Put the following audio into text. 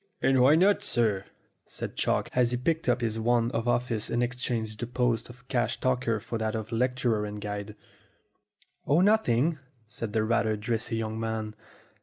"And why not, sir?" said Chalk, as he picked up his wand of office and exchanged the post of cash taker for that of lecturer and guide. "Oh, nothing," said the rather dressy young man.